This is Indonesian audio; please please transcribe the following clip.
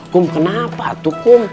kum kenapa tuh kum